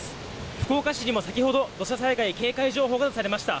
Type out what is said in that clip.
福岡市にも先ほど土砂災害警戒情報が出されました。